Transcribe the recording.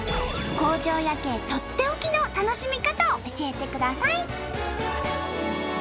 工場夜景とっておきの楽しみかたを教えてください！